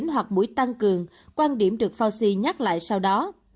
hoặc mũi tăng cường quan điểm được fauxi nhắc lại sau đó